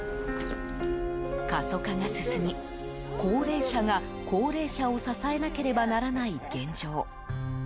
過疎化が進み、高齢者が高齢者を支えなければならない現状。